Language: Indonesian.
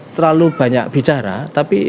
terlalu banyak bicara tapi